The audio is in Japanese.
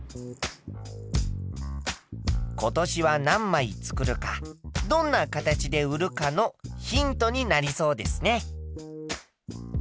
今年は何枚作るかどんな形で売るかのヒントになりそうですね。